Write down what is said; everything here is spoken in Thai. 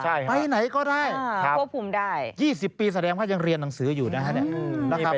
ที่ไหนก็ได้ควบคุมได้๒๐ปีแสดงว่ายังเรียนหนังสืออยู่นะครับ